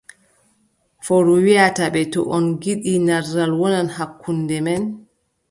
Fowru wiʼata ɓe: to en ngiɗi narral wona hakkunde men,